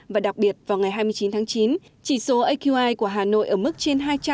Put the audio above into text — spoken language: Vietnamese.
và đặc biệt vào ngày hai mươi chín tháng chín chỉ số aqi của hà nội ở mức trên hai trăm linh